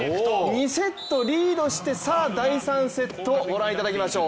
２セットリードして、さあ第３セットご覧いただきましょぅ。